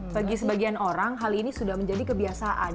bagi sebagian orang hal ini sudah menjadi kebiasaan